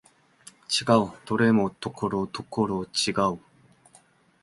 違う、どれもところどころ違う